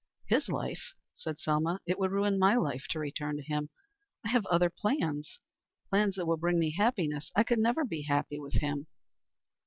"His life?" said Selma. "It would ruin my life to return to him. I have other plans plans which will bring me happiness. I could never be happy with him."